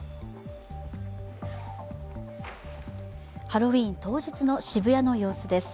ハロウィーン当日の渋谷の様子です。